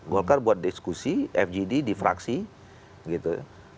golkar buat diskusi fgd di fraksi gitu